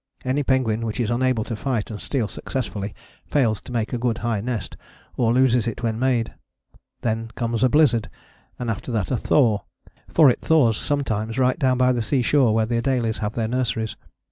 Any penguin which is unable to fight and steal successfully fails to make a good high nest, or loses it when made. Then comes a blizzard, and after that a thaw: for it thaws sometimes right down by the sea shore where the Adélies have their nurseries.